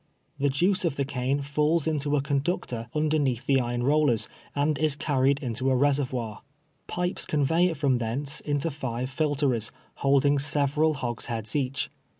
The juice of the cane falls into a conductor underneath the iron rollers, and is carried into a reservoir. Pipes convey it from thence into five filterers, holding sev eral hogsheads each.